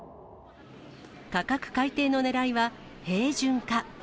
価格改定のねらいは、平準化。